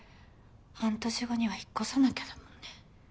半年後には引っ越さなきゃだもんね。